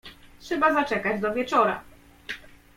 "Trzeba zaczekać do wieczora."